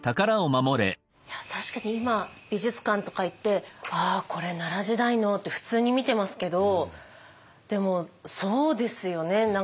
確かに今美術館とか行って「ああこれ奈良時代の」って普通に見てますけどでもそうですよね。